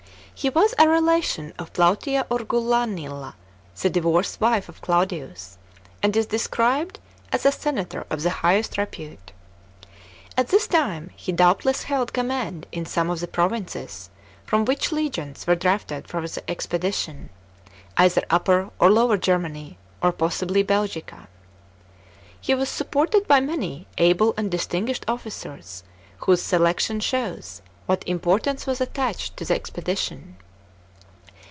He was a relation of Plautia Urgulanilla, the divorced wife of Claudius, and is described as a " senator of the highest repute." At this time he doubtless held command in some of the provinces from which legions were drafted for the expedition — either Upper or Lower Germany, or possibly Belgica. He was supported by many able and distinguished officers, whose selection shows what importance was attached to the expedition.